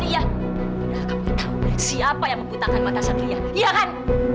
ya udah kamu tahu siapa yang membutakan mata satria iya kan